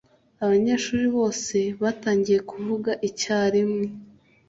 Abanyeshuri bose batangiye kuvuga icyarimwe.